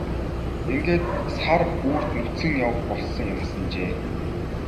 Ингээд сар үүрд нүцгэн явах болсон юмсанжээ.